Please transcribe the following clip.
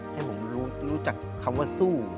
ให้ผมรู้จักคำว่าสู้